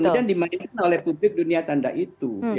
kemudian dimainkan oleh publik dunia tanda itu